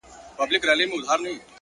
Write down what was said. پوهه د امکاناتو افق پراخوي!